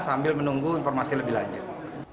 kita ambil menunggu informasi lebih lanjut